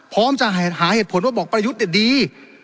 พร้อมจะหาเหตุผลว่าบอกประยุทธ์เนี่ยดี